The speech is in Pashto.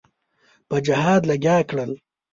په جهاد لګیا کړل.